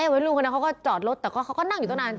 วัยรุ่นคนนั้นเขาก็จอดรถแต่เขาก็นั่งอยู่ตั้งนาน